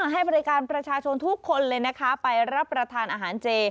ให้บริการประชาชนทุกคนเลยนะคะไปรับประทานอาหารเจ